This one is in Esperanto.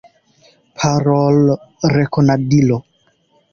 Parolrekonadilo.